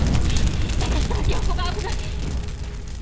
だとしたら京子が危ない！